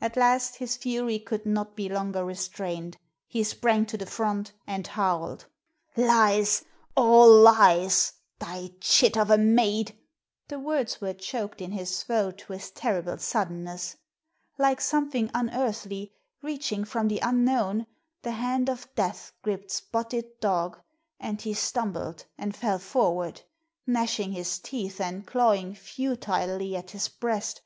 At last his fury could not be longer restrained; he sprang to the front, and howled: "Lies, all lies! Thy chit of a maid " The words were choked in his throat with terrible suddenness. Like something unearthly, reaching from the unknown, the hand of death gripped Spotted Dog and he stumbled and fell forward, gnashing his teeth and clawing futilely at his breast.